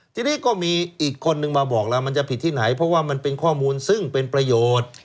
ทีนี้ก็มีอีกคนนึงมาบอกแล้วมันจะผิดที่ไหนเพราะว่ามันเป็นข้อมูลซึ่งเป็นประโยชน์